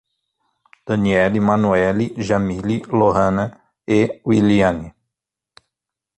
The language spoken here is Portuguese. Danielly, Manuele, Jamily, Lorrana e Wiliane